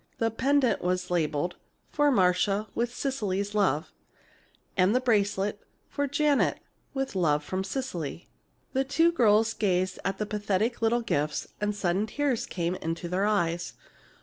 The pendant was labeled, "For Marcia, with Cecily's love," and the bracelet, "For Janet, with love from Cecily." The two girls gazed at the pathetic little gifts and sudden tears came into their eyes.